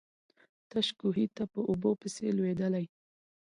تش کوهي ته په اوبو پسي لوېدلی.